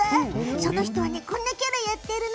その人はこんなキャラをやっているの。